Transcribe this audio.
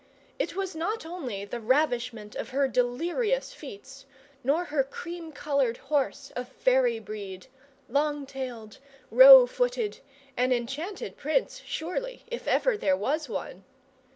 It was not only the ravishment of her delirious feats, nor her cream coloured horse of fairy breed, long tailed, roe footed, an enchanted prince surely, if ever there was one!